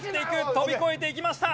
跳び越えていきました。